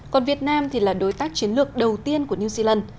còn việt nam thì là đối tác chiến lược đầu tiên của new zealand